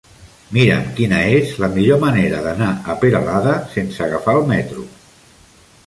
Mira'm quina és la millor manera d'anar a Peralada sense agafar el metro.